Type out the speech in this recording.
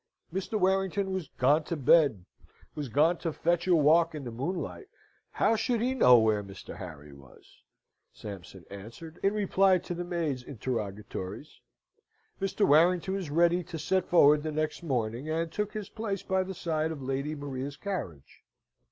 Mr. Warrington was gone to bed was gone to fetch a walk in the moonlight how should he know where Mr. Harry was? Sampson answered, in reply to the maid's interrogatories. Mr. Warrington was ready to set forward the next morning, and took his place by the side of Lady Maria's carriage.